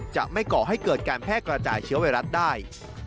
จะไม่ก่อให้เกิดการแพร่กระจายเชื้อไวรัสได้